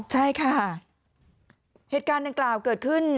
ใช่ค่ะเหตุการณ์ดังกล่าวเกิดขึ้น